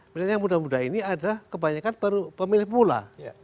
pilihan yang muda muda ini ada kebanyakan baru pemilih pula